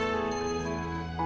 tahu tahu kamu saya juga